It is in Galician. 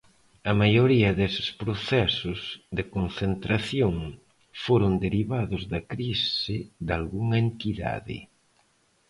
A maioría deses procesos de concentración foron derivados da crise dalgunha entidade.